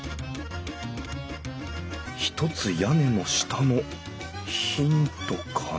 「ひとつ屋根の下」のヒントかな？